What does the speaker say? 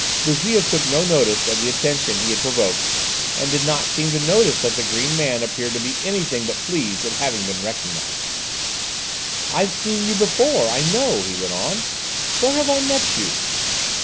Bouzille took no notice of the attention he had provoked, and did not seem to notice that the green man appeared to be anything but pleased at having been recognised. "I've seen you before, I know," he went on; "where have I met you?"